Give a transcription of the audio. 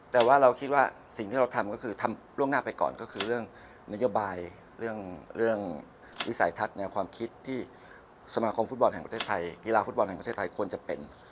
แต่ว่าเราคิดว่าสิ่งที่เราทำก็คือทำล่วงหน้าไปก่อนก็คือเรื่องนโยบายเรื่องวิสัยทัศน์แนวความคิดที่สมาคมฟุตบอลแห่งประเทศไทยกีฬาฟุตบอลแห่งประเทศไทยควรจะเป็น